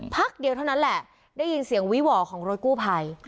พักเดียวเท่านั้นแหละได้ยินเสียงวีหว่อของรถกู้ภัย